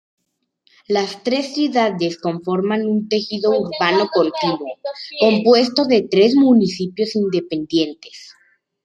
Las tres ciudades conforman un tejido urbano continuo, compuesto de tres municipios independientes.